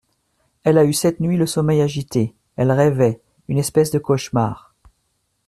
Elle a eu cette nuit le sommeil agité, elle rêvait … une espèce de cauchemar …